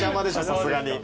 さすがに。